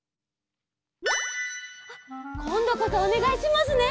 あっこんどこそおねがいしますね。